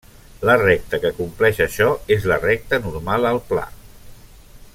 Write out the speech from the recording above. La recta que compleix això és la recta normal al pla.